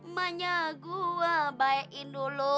emaknya gua bayain dulu